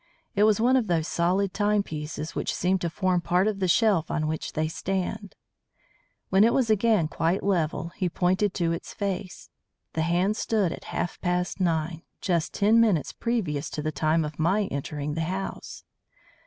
It was one of those solid time pieces which seem to form part of the shelf on which they stand. When it was again quite level, he pointed to its face. The hands stood at half past nine, just ten minutes previous to the time of my entering the house.